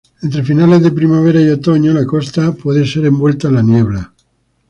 Entre finales de primavera y otoño, la costa puede ser envuelta en la niebla.